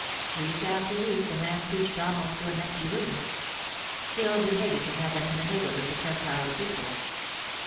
Week after week the man preached almost to an empty room. Still we hated to have them in the neighbourhood to tempt our people.